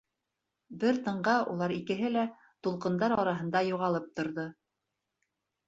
Бер тынға улар икеһе лә тулҡындар араһында юғалып торҙо.